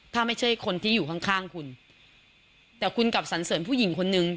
ถ้าไม่ใช่คนที่อยู่ข้างข้างคุณแต่คุณกับสันเสริญผู้หญิงคนนึง